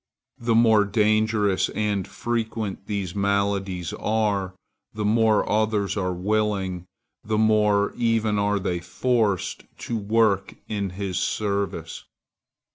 The more dangerous and frequent these maladies are, the more others are willing, the more, even, are they forced, to work in his service.